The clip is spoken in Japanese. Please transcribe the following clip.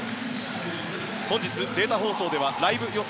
本日、データ放送ではライブ予想